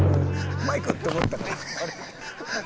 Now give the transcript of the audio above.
「マイク！」って思ったから。